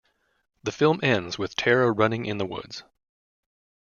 The film ends with Tara running in the woods.